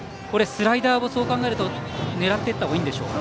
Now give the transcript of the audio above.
スライダーもそう考えると狙っていったほうがいいんでしょうか。